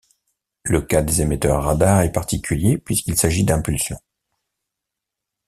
Le cas des émetteurs radar est particulier, puisqu’il s’agit d’impulsions.